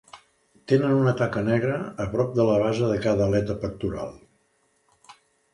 Tenen una taca negra a prop de la base de cada aleta pectoral.